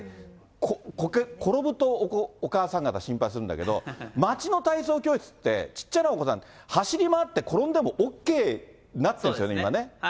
転ぶとお母さん方、心配するんだけど、街の体操教室って、ちっちゃなお子さん、走り回って転んでもＯＫになってるんですよね、今ね。